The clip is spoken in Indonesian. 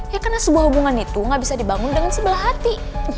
ya karena sebuah hubungan itu gak bisa dibangun dengan sebelah hati